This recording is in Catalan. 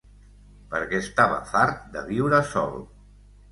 Perquè estava fart de viure sol.